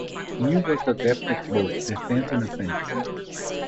Neil was adept at both defence and offense.